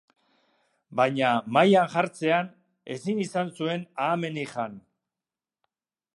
Baina, mahaian jartzean, ezin izan zuen ahamenik jan.